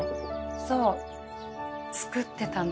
そう作ってたの。